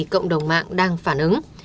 cộng đồng mạng đang phản ứng